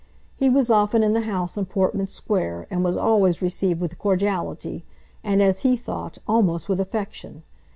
He was often in the house in Portman Square, and was always received with cordiality, and, as he thought, almost with affection.